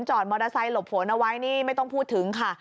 มอเตอร์ไซค์หลบฝนเอาไว้นี่ไม่ต้องพูดถึงค่ะ